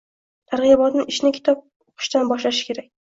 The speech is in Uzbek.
Targ‘ibotchi ishni kitob o‘qitishdan boshlashi kerak.